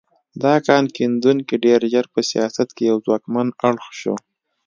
دا کان کیندونکي ډېر ژر په سیاست کې یو ځواکمن اړخ شو.